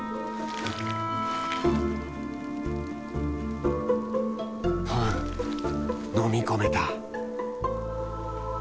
ふぅ飲み込めた。